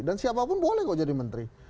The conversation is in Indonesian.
dan siapapun boleh kok jadi menteri